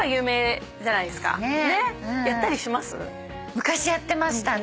昔やってましたね。